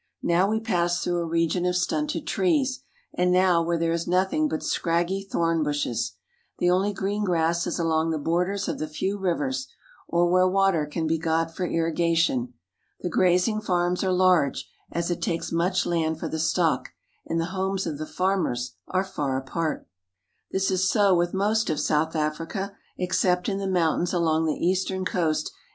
Now we pass through a region of stunted trees, and now where there is nothing but scraggy thorn bushes. The only green grass is along the borders of the few rivers, or where water can be got for irrigation. The grazing farms are large, as it takes much land for the stock, and the j homes of the farmers are far apart. This is so with most of South Africa, except in the 1 jRiountains along the eastern coast, in.